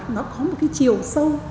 nó có một cái chiều sâu